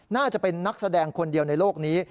น่าจะเป็นนักแสดงคนเดียวในโลกนี้